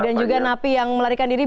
dan juga nafi yang melarikan diri